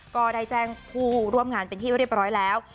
ก็ได้แจ้งผู้ร่วมงานเป็นที่เรียบร้อยแล้ว